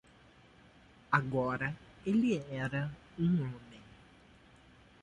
Agora ele era um homem